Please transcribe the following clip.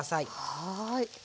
はい。